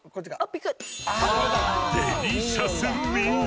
［デリシャス・ミー！